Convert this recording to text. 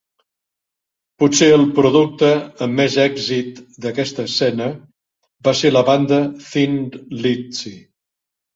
Potser el producte amb més èxit d'aquesta escena va ser la banda Thin Lizzy.